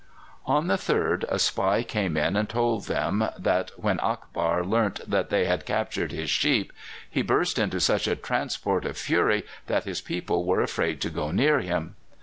On the 3rd a spy came in and told them that when Akbar learnt that they had captured his sheep, he burst into such a transport of fury that his people were afraid to go near him.